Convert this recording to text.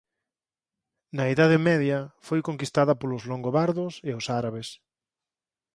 Na Idade Media foi conquistada polos longobardos e os árabes.